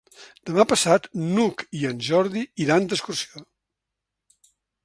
Demà passat n'Hug i en Jordi iran d'excursió.